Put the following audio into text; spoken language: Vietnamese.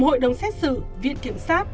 hội đồng xét xử viện kiểm sát